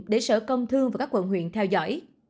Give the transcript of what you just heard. để sở công thương và các quận huyện theo dõi